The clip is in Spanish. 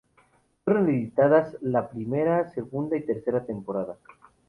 Fueron editadas la primera, segunda y tercera temporada.